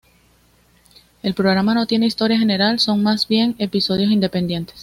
El programa no tiene historia general, son más bien episodios independientes.